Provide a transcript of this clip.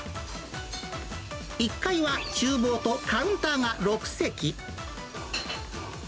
１階はちゅう房とカウンターが６席。